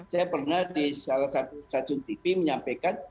saya pernah di salah satu stasiun tv menyampaikan